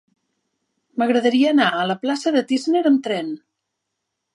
M'agradaria anar a la plaça de Tísner amb tren.